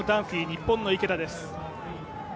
日本の池田です。